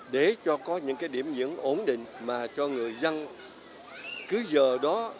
để cho có những cái điểm diễn ổn định mà cho người dân cứ giờ đó